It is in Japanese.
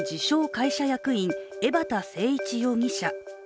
会社役員、江畑誠一容疑者。